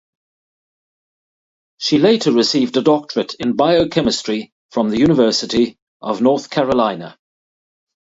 She later received a doctorate in biochemistry from the University of North Carolina.